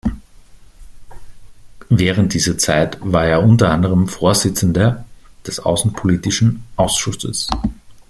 Während dieser Zeit war er unter anderem Vorsitzender des außenpolitischen Ausschusses.